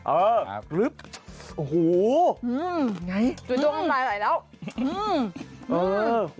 โอ้วสวยตัวลำลายใส่แล้ว